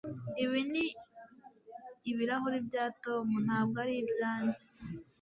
ibi ni ibirahuri bya tom, ntabwo ari ibyanjye